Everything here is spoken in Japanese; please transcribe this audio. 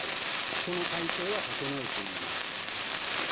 その体制は整えています。